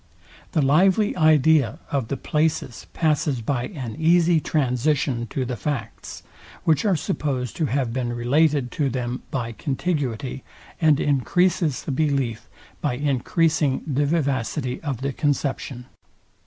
The lively idea of the places passes by an easy transition to the facts, which are supposed to have been related to them by contiguity, and encreases the belief by encreasing the vivacity of the conception.